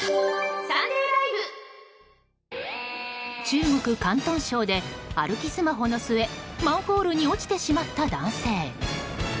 中国・広東省で歩きスマホの末マンホールに落ちてしまった男性。